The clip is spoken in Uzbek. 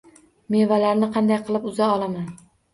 Mevalarni qanday qilib uza olaman